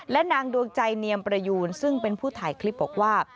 และนางดวงใจเนียมประยูนซึ่งเป็นผู้ถ่ายคลิปบอกว่า